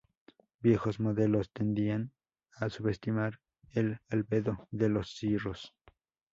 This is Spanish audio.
Viejos modelos tendían a subestimar el albedo de los cirros.